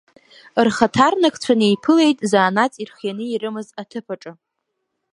Рхаҭарнакцәа неиԥылеит заанаҵ ирхианы ирымаз аҭыԥаҿы.